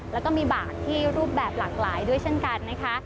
แล้วก็มีบาทที่รูปแบบหลากหลายด้วยเช่นกันนะคะ